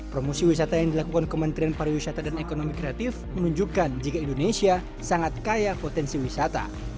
promosi wisata yang dilakukan kementerian pariwisata dan ekonomi kreatif menunjukkan jika indonesia sangat kaya potensi wisata